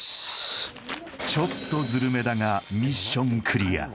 ちょっとズルめだがミッションクリア